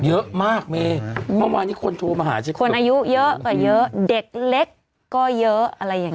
เยอะมากเมย์เมื่อวานนี้คนโทรมาหาฉันคนอายุเยอะกว่าเยอะเด็กเล็กก็เยอะอะไรอย่างนี้